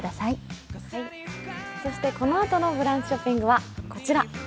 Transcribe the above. そしてこのあとの「ブランチショッピング」はこちら。